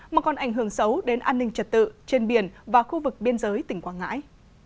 mà còn ảnh hưởng xấu đến an ninh trật tự trên biển và khu vực biên giới tỉnh quảng ngãi